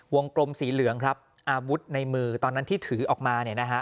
กลมสีเหลืองครับอาวุธในมือตอนนั้นที่ถือออกมาเนี่ยนะฮะ